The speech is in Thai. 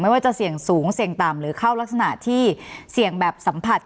ว่าจะเสี่ยงสูงเสี่ยงต่ำหรือเข้ารักษณะที่เสี่ยงแบบสัมผัส